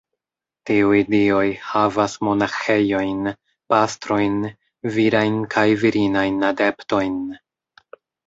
Tiuj dioj havas monaĥejojn, pastrojn, virajn kaj virinajn adeptojn.